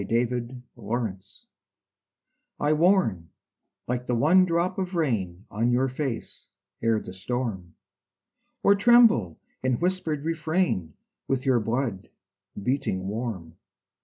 THE VOICE OF THE VOID I warn, like the one drop of rain On your face, ere the storm; Or tremble in whispered refrain With your blood, beating warm.